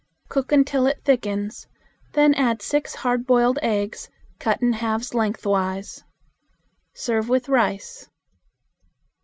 Cook until it thickens, then add six hard boiled eggs. Cut in halves lengthwise. Serve with rice.